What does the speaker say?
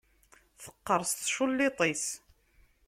Teqqeṛs tculliḍt-is.